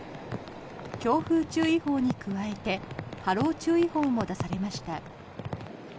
強風注意報に加えて波浪注意報も出されました。